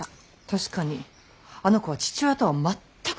確かにあの子は父親とは全く逆。